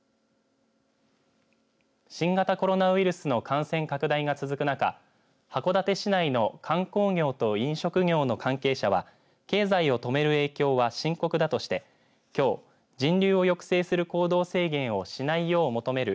新型コロナウイルスの感染拡大が続く中函館市内の観光業と飲食業の関係者は経済を止める影響は深刻だとしてきょう人流を抑制する行動制限をしないよう求める